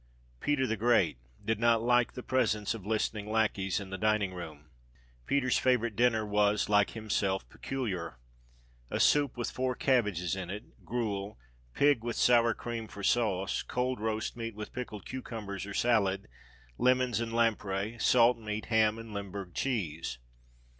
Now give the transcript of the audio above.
Peter the Great did not like the presence of "listening lacqueys" in the dining room. Peter's favourite dinner was, like himself, peculiar: "A soup, with four cabbages in it; gruel; pig, with sour cream for sauce; cold roast meat with pickled cucumbers or salad; lemons and lamprey, salt meat, ham, and Limburg cheese."